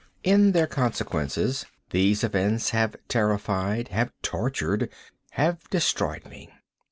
In their consequences, these events have terrified—have tortured—have destroyed me.